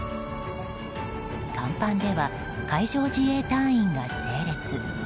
甲板では、海上自衛隊員が整列。